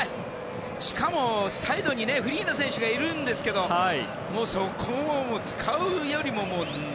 しかも、サイドにフリーな選手がいるんですけどもそこを使うよりも。